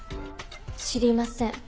知りません。